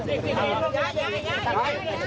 เดี๋ยว